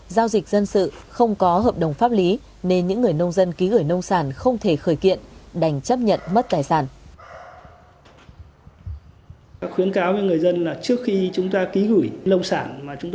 giao dịch dân sự không có hợp đồng pháp lý nên những người nông dân ký gửi nông sản không thể khởi kiện đành chấp nhận mất tài sản